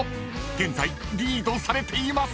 現在リードされています］